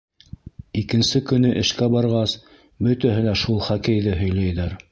Икенсе көнө эшкә барғас, бөтәһе лә шул хоккейҙы һөйләйҙәр.